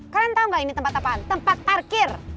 kalian tau gak ini tempat apaan tempat parkir